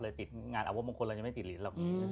เลยติดงานอาวุธมงคลเรายังไม่ติดเหรียญเรา